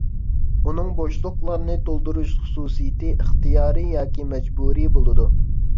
ئۇنىڭ بوشلۇقلارنى تولدۇرۇش خۇسۇسىيىتى ئىختىيارى ياكى مەجبۇرىي بولىدۇ.